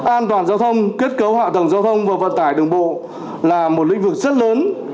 an toàn giao thông kết cấu hạ tầng giao thông và vận tải đường bộ là một lĩnh vực rất lớn